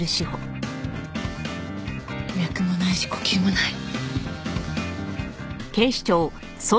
脈もないし呼吸もない。